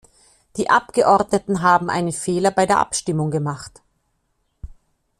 Die Abgeordneten haben einen Fehler bei der Abstimmung gemacht.